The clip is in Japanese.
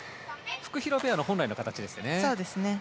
フクヒロペアの本来の形。